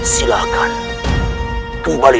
saya akan menang